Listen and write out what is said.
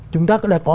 chúng ta đã có